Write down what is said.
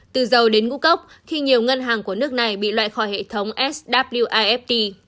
từ dầu đến ngũ cốc khi nhiều ngân hàng của nước này bị loại khỏi hệ thống swift